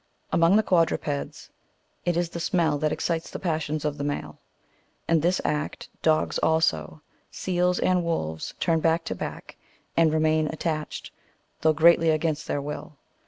Among the quad rupeds, it is the smell that excites the passions of the male. In this act, dogs also, seals, and wolves turn back to back, and remain attached, though greatly against their will.